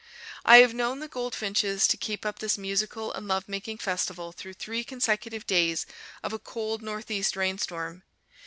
I have known the goldfinches to keep up this musical and love making festival through three consecutive days of a cold northeast rainstorm.